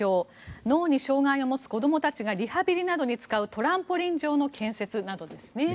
脳に障害を持つ子供たちがリハビリなどに使うトランポリン場の建設などです。